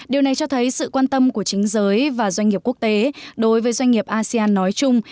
điều này cho thấy sự quan tâm của chính giới và doanh nghiệp quốc tế đối với doanh nghiệp asean nói chung